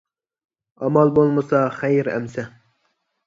ئامال بولمىسا، خەير ئەمىسە!